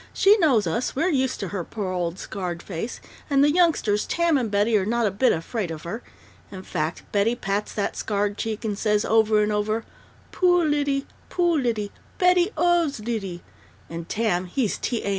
"She knows us, we're used to her poor old scarred face, and the youngsters, Tam and Betty, are not a bit afraid of her. In fact, Betty pats that scarred cheek and says, over and over, 'Poo Lyddy! Poo Lyddy! Betty 'oves Lyddy!' and Tam he's T. A.